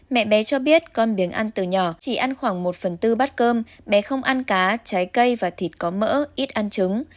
mẹ bé cho biết con điếng ăn từ nhỏ chỉ ăn khoảng một phần tư bát cơm bé không ăn cá trái cây và thịt có mỡ ít ăn trứng